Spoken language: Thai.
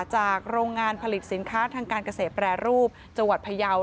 โรงงานผลิตสินค้าทางการเกษตรแปรรูปจังหวัดพยาว